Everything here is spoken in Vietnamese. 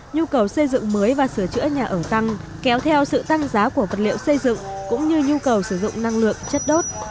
nhu cầu xây dựng mới và sửa chữa nhà ở tăng kéo theo sự tăng giá của vật liệu xây dựng cũng như nhu cầu sử dụng năng lượng chất đốt